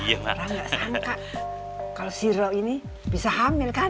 malah nggak sangka kalau si rau ini bisa hamil kan